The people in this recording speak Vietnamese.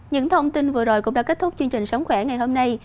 những thông tin vừa rồi cũng đã kết thúc chương trình sống khỏe ngày hôm nay